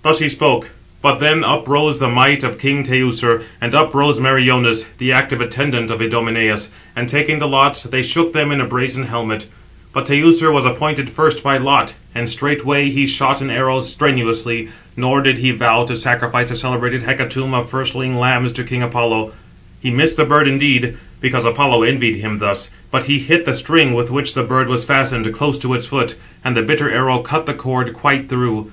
Thus he spoke; but then up rose the might of king Teucer, and up rose Meriones, the active attendant of Idomeneus; and taking the lots, they shook them in a brazen helmet. But Teucer was appointed first by lot; and straightway he shot an arrow strenuously, nor did he vow to sacrifice a celebrated hecatomb of firstling lambs to king [Apollo]. He missed the bird indeed, because Apollo envied him this, but he hit the string with which the bird was fastened, close to its foot; and the bitter arrow cut the cord quite through.